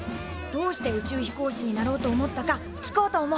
どうして宇宙飛行士になろうと思ったか聞こうと思う！